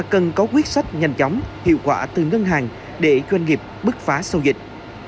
có quyết sách nhanh chóng hiệu quả từ ngân hàng để doanh nghiệp bức phá sau dịch